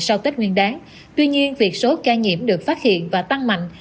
sau tết nguyên đáng tuy nhiên việc số ca nhiễm được phát hiện và tăng mạnh